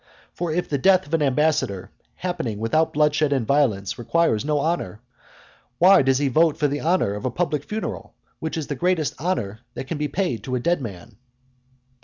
For if the death of an ambassador happening without bloodshed and violence requires no honour, why does he vote for the honour of a public funeral, which is the greatest honour that can be paid to a dead man!